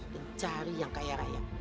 dan cari yang kaya raya